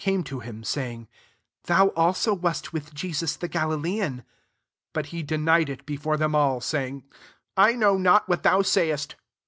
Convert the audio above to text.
caxae \o Yiim, sayingj *^ Tbo\i a\so wast with Jesus the GaYVLean." 70 But he deni ed it before them idl, saying, « I Itnow not what thou say est."